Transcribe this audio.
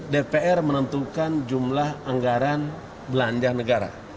dpr menentukan jumlah anggaran belanja negara